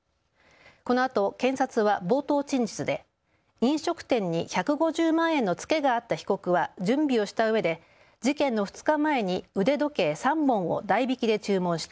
このあと検察は冒頭陳述で飲食店に１５０万円のつけがあった被告は準備をしたうえで事件の２日前に腕時計３本を代引きで注文した。